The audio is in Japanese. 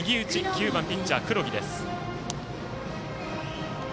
９番ピッチャー、黒木です。